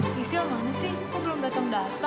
sisil mana sih kok belum dateng dateng